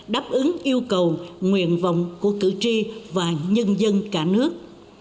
đáp ứng yêu cầu nguyện vọng của cử tri và nhân dân cả nước